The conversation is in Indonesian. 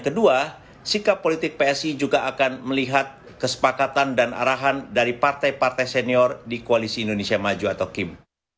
kedua sikap politik psi juga akan melihat kesepakatan dan arahan dari partai partai senior di koalisi indonesia maju atau kim